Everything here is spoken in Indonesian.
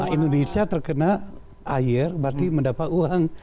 indonesia terkena air berarti mendapat uang